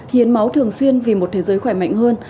hiến máu thường xuyên vì một thế giới khỏe mạnh hơn